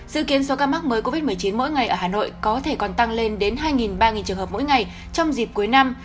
dự kiến số ca mắc mới covid một mươi chín mỗi ngày ở hà nội có thể còn tăng lên đến hai ba trường hợp mỗi ngày trong dịp cuối năm